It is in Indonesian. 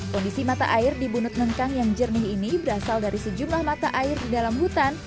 kondisi mata air di bunut nengkang yang jernih ini berasal dari sejumlah mata air di dalam hutan